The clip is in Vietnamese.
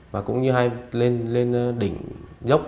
và cũng như lên đỉnh dốc